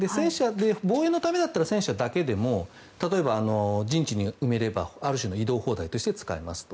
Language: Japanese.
防衛のためだったら戦車だけでも陣地に埋めれば、ある種の移動砲台として使えますと。